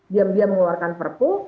diam diam mengeluarkan perpu